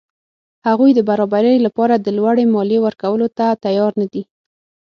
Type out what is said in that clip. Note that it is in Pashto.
هغوی د برابرۍ له پاره د لوړې مالیې ورکولو ته تیار نه دي.